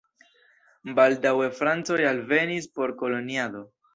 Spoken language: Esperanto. Baldaŭe francoj alvenis por koloniado.